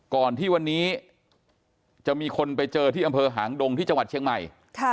ก่อนที่วันนี้จะมีคนไปเจอที่อำเภอหางดงที่จังหวัดเชียงใหม่